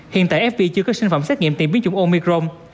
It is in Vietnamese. hiện tại fv chưa có sinh phẩm xác nghiệm tiệm biến chủng omicron